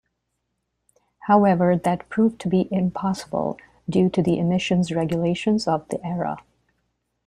However, that proved to be impossible due to the emissions regulations of the era.